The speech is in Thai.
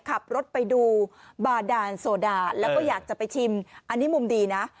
ขับรถไปดูบาดานโซดาแล้วก็อยากจะไปชิมอันนี้มุมดีนะ